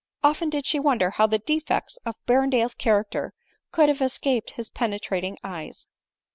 Often did she wonder how the de fects of Berrendale's character could have escaped his penetrating eyes.